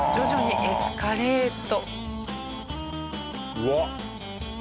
うわっ。